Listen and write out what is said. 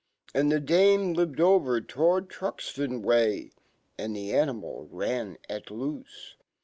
Andfhe dame lived over towardTruxtonway, Andihe animal ran. at loofc